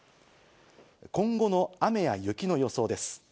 今後の雨や雪の予想です。